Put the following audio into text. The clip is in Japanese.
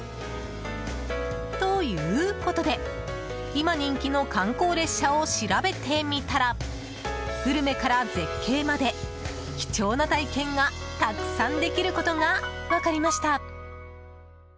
ということで、今人気の観光列車を調べてみたらグルメから絶景まで貴重な体験がたくさんできることが分かりました。